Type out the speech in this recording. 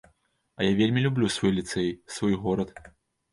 А я вельмі люблю свой ліцэй, свой горад.